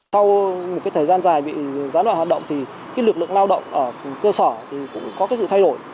sau một thời gian dài bị gián loại hoạt động thì lực lượng lao động ở cơ sở cũng có sự thay đổi